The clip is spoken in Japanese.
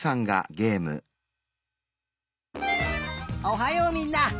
おはようみんな。